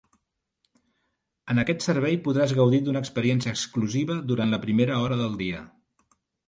En aquest servei podràs gaudir d'una experiència exclusiva durant la primera hora del dia.